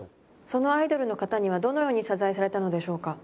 そのアイドルの方にはどのように謝罪されたのでしょうか？